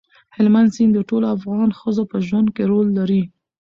هلمند سیند د ټولو افغان ښځو په ژوند کې رول لري.